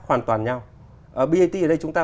hoàn toàn nhau ở brt ở đây chúng ta